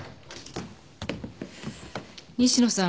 西野さん